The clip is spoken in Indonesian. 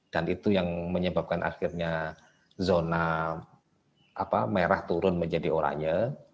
dan itu yang menyebabkan akhirnya zona merah turun menjadi oranya